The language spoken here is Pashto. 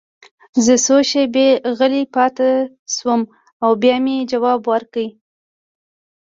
زه څو شېبې غلی پاتې شوم او بیا مې ځواب ورکړ